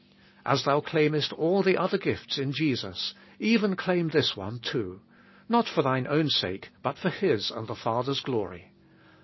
As thou claimest all the other gifts in Jesus, even claim this one too, — not for thine own sake, but for His and the Father's glory.